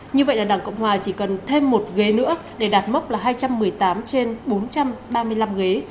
như vậy là đảng cộng hòa chỉ cần thêm một ghế nữa để đạt mốc là hai trăm một mươi tám trên bốn trăm ba mươi năm ghế